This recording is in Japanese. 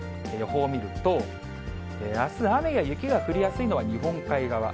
予報を見ると、あす、雨や雪が降りやすいのは日本海側。